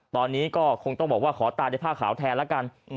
ตอนนี้ก็คงต้องบอกว่าขอตายด้วยผ้าขาวแทนแล้วกัน